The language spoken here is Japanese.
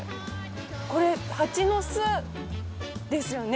これ蜂の巣ですよね。